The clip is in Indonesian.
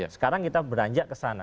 sekarang kita beranjak ke sana